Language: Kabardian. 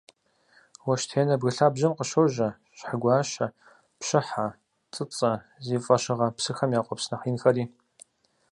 Уэщтенэ бгы лъабжьэм къыщожьэ Щхьэгуащэ, Пщыхьэ, ЦӀыцӀэ зи фӀэщыгъэ псыхэм я къуэпс нэхъ инхэри.